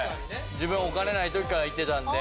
自分お金ない時から行ってたんで。